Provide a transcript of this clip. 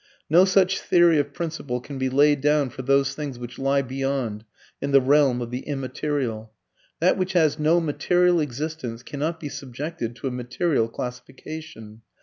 No such theory of principle can be laid down for those things which lie beyond, in the realm of the immaterial. That which has no material existence cannot be subjected to a material classification.